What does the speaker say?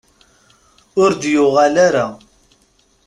Ur d-yuɣal ara.